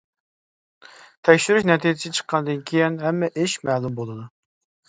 تەكشۈرۈش نەتىجىسى چىققاندىن كېيىن ھەممە ئىش مەلۇم بولىدۇ.